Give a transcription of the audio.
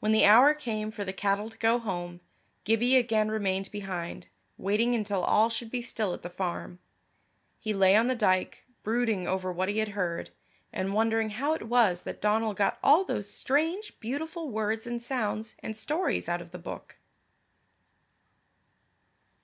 When the hour came for the cattle to go home, Gibbie again remained behind, waiting until all should be still at the farm. He lay on the dyke, brooding over what he had heard, and wondering how it was that Donal got all those strange beautiful words and sounds and stories out of the book.